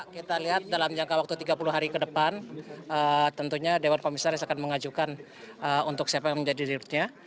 kita lihat dalam jangka waktu tiga puluh hari ke depan tentunya dewan komisaris akan mengajukan untuk siapa yang menjadi dirinya